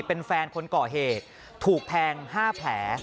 เป็นแฟนคนก่อเหตุถูกแทง๕แผล